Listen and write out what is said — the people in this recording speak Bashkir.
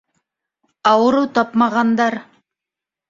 Ауырыу тапмағандар.